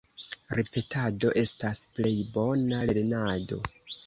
Ripetado estas plej bona lernado.